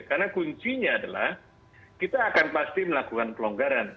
karena kuncinya adalah kita akan pasti melakukan pelonggaran